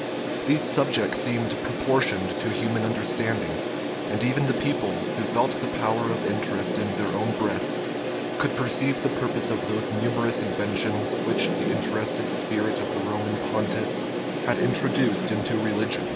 These subjects seemed proportioned to human understanding; and even the people, who felt the power of interest in their own breasts, could perceive the purpose of those numerous inventions which the interested spirit of the Roman pontiff had introduced into religion.